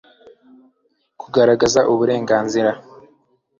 kugaragaza uburenganzira